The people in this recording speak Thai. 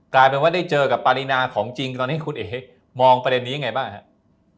กลายเป็นว่าได้เจอกับปารีนาของจริงตอนนี้คุณเอ๋มองประเด็นนี้ยังไงบ้างครับ